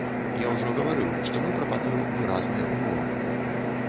Я ўжо гаварыў, што мы прапануем выразныя ўмовы.